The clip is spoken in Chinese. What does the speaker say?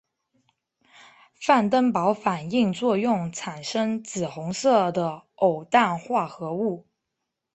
范登堡反应作用产生紫红色的偶氮化合物。